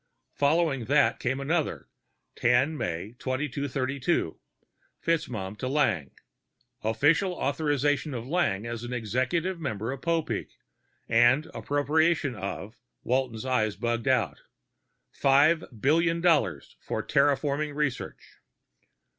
Following that came another, 10 May 2232, FitzMaugham to Lang: official authorization of Lang as an executive member of Popeek, and appropriation of Walton's eyes bugged five billion dollars for terraforming research.